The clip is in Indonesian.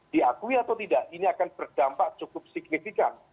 diakui atau tidak ini akan berdampak cukup signifikan